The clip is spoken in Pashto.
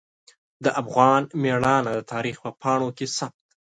د افغان میړانه د تاریخ په پاڼو کې ثبت ده.